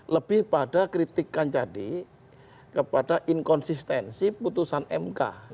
lebih pada kritikan tadi kepada inkonsistensi putusan mk